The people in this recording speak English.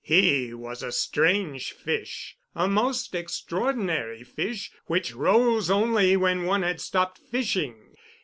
He was a strange fish—a most extraordinary fish which rose only when one had stopped fishing.